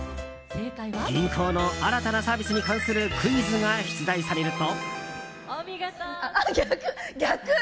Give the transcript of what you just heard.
銀行の新たなサービスに関するクイズが出題されると。